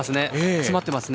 詰まってますね。